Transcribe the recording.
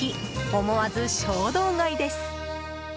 思わず衝動買いです。